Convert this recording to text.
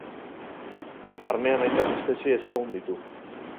Barnean hainbat espezie ezagun ditu.